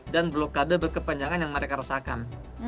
dan blokade berkepanjangan yang mereka rasakan